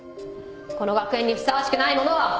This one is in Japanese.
この学園にふさわしくない者は。